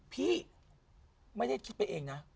พี่ไม่ได้คิดไปเองนะ